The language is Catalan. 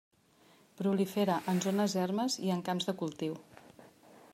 Prolifera en zones ermes i en camps de cultiu.